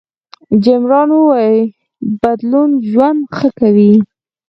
جیم ران وایي بدلون ژوند ښه کوي.